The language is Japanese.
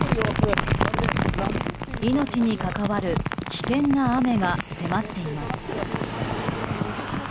命に関わる危険な雨が迫っています。